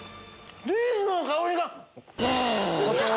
チーズの香りがう！